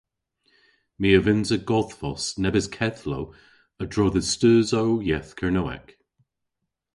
My a vynnsa godhvos nebes kedhlow a-dro dhe steusow yeth Kernewek.